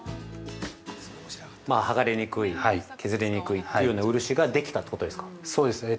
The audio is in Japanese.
剥がれにくい、削れにくいというような漆ができたってことですか。